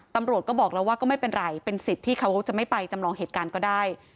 ตำรวจก็บอกแล้วว่าก็ไม่เป็นไรเป็นสิทธิ์ที่เขาจะไม่ไปจำลองเหตุการณ์ก็ได้